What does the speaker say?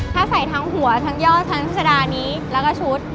ถ้าใส่ทั้งหัวทั้งยอดทั้งสดานี้แล้วก็ชุด